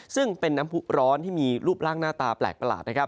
ซึ่งเป็นน้ำผู้ร้อนที่มีรูปร่างหน้าตาแปลกประหลาดนะครับ